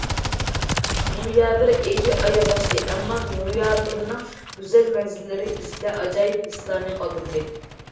نويابىر ئېيى ئاياغلاشتى، ئەمما نويابىرنىڭ گۈزەل مەنزىرىلىرى بىزدە ئاجايىپ ھېسلارنى قالدۇردى.